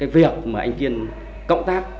việc mà anh kiên cộng tác